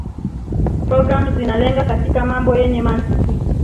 programu zinalenga katika mambo yenye mantiki